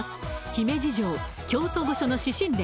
姫路城京都御所の紫宸殿